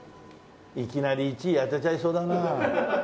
いきなり１位当てちゃいそうだな。